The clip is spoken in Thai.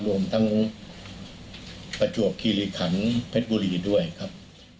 รวมทั้งประจวบคิริขันเพชรบุรีด้วยครับ